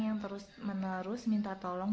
yang terus menerus minta tolong